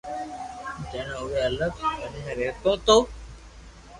جڻي اووي الگ گھر ۾ رھتو تو